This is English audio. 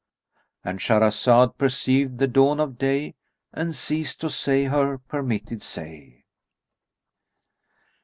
"—And Shahrazad perceived the dawn of day and ceased to say her per misted say.